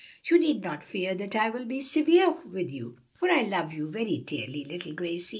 You need not fear that I will be severe with you, for I love you very dearly, little Gracie."